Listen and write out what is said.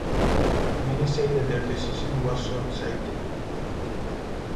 Many say that their decision was short sighted.